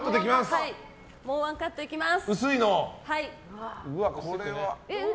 もうワンカットいきます。